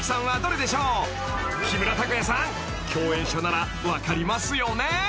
［木村拓哉さん共演者なら分かりますよね？］